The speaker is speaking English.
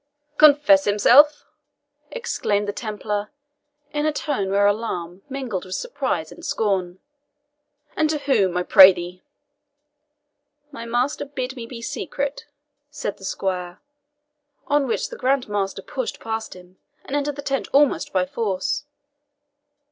"Confess himself!" exclaimed the Templar, in a tone where alarm mingled with surprise and scorn "and to whom, I pray thee?" "My master bid me be secret," said the squire; on which the Grand Master pushed past him, and entered the tent almost by force.